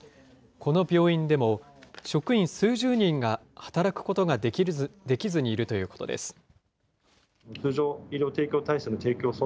この病院でも、職員数十人が働くことができずにいるということです。